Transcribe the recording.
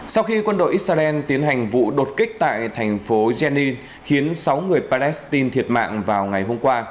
sau khi quân đội israel tiến hành vụ đột kích tại thành phố jenin khiến sáu người palestine thiệt mạng vào ngày hôm qua